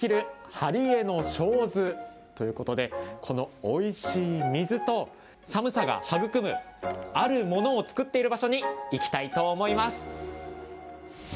針江の生水ということでこのおいしい水と、寒さが育むあるものを作っている場所に行きたいと思います。